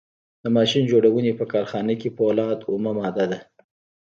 د ماشین جوړونې په کارخانه کې فولاد اومه ماده ده.